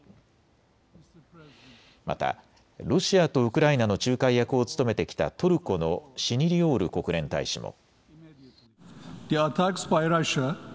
またロシアとウクライナの仲介役を務めてきたトルコのシニリオール国連大使も。